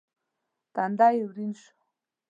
تندی يې ورين شو.